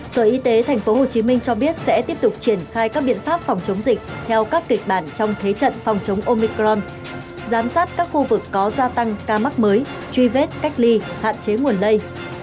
sở y tế tp hcm cho biết sẽ tiếp tục triển khai các biện pháp phòng chống dịch theo các kịch bản trong thế trận phòng chống omicron giám sát các khu vực có gia tăng ca mắc mới truy vết cách ly hạn chế nguồn lây